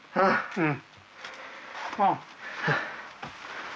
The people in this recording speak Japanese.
うん。